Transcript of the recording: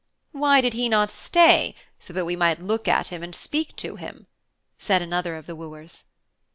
'Why did he not stay so that we might look at him and speak to him?' said another of the wooers.